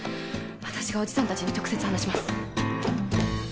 わたしがおじさんたちに直接話します。